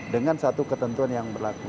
dengan satu ketentuan yang berlaku